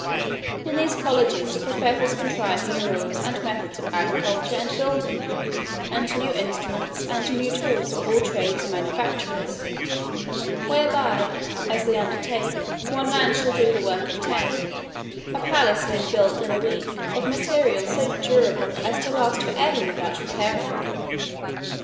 In these colleges the professors contrive new rules and methods of agriculture and building, and new instruments, and tools for all trades and manufactures; whereby, as they undertake, one man shall do the work of ten; a palace may be built in a week, of materials so durable as to last for ever without repairing.